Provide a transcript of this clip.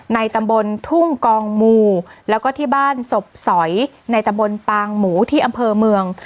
ในตำบลทุ่งกองมูแล้วก็ที่บ้านศพสอยในตำบลปางหมูที่อำเภอเมือง